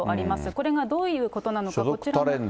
これがどういうことなのか。